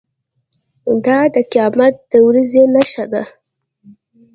دا د قیامت د ورځې نښه ده.